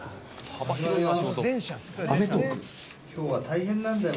今日は大変なんだよ。